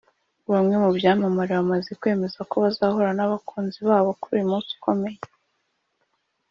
Bamwe mu byamamare bamaze kwemeza ko bazahura n’abakunzi babo kuri uwo munsi ukomeye